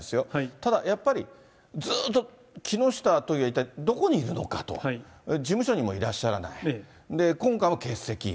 ただ、やっぱりずっと木下都議は一体どこにいるのかと、事務所にもいらっしゃらない、今回も欠席。